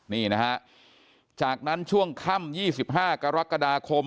นี่นะฮะจากนั้นช่วงค่ำ๒๕กรกฎาคม